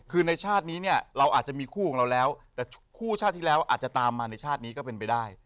คือในชาตินี้เนี่ยเราอาจจะมีคู่ของเราแล้วแต่คู่ชาติที่แล้วอาจจะตามมาในชาตินี้ก็เป็นไปได้